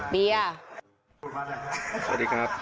เบียร์